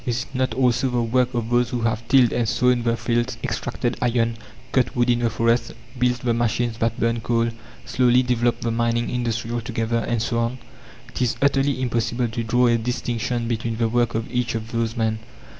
Is it not also the work of those that have tilled and sown the fields, extracted iron, cut wood in the forests, built the machines that burn coal, slowly developed the mining industry altogether, and so on? It is utterly impossible to draw a distinction between the work of each of those men.